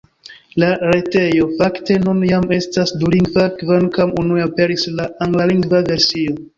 La retejo, fakte, nun jam estas dulingva, kvankam unue aperis la anglalingva versio.